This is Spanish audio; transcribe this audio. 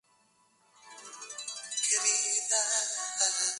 Se localiza en la zona oeste de Teherán, la capital del país.